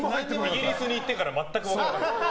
イギリスに行ってから全く分からなかった。